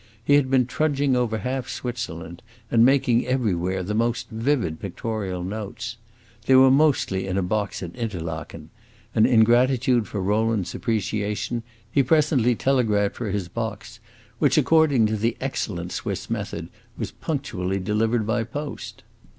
He had been trudging over half Switzerland and making everywhere the most vivid pictorial notes. They were mostly in a box at Interlaken, and in gratitude for Rowland's appreciation, he presently telegraphed for his box, which, according to the excellent Swiss method, was punctually delivered by post.